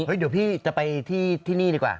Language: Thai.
เดี๋ยวพี่จะไปที่นี่ดีกว่า